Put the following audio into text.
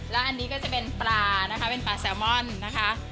แล้วอันนี้ก็จะเป็นปลานะคะเป็นปลาแซลมอนนะคะ